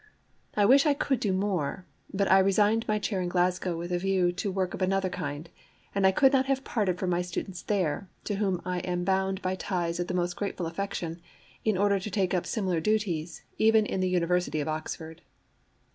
I wish I could do more, but I resigned my chair in Glasgow with a view to work of another kind, and I could not have parted from my students there, to whom I am bound by ties of the most grateful affection, in order to take up similar duties even in the University of Oxford.